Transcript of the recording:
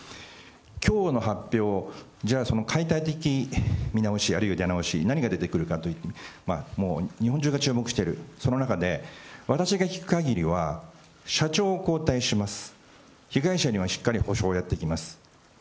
きょうの発表、じゃあその解体的見直し、あるいは出直し、何が出てくるかと、もう日本中が注目している、その中で、私が聞くかぎりは、社長交代します、被害者にはしっかり補償をやっていきます。